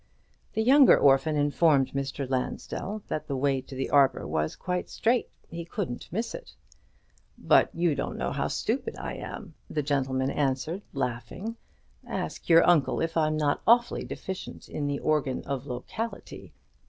The younger orphan informed Mr. Lansdell that the way to the arbour was quite straight, he couldn't miss it. "But you don't know how stupid I am," the gentleman answered, laughing. "Ask your uncle if I'm not awfully deficient in the organ of locality.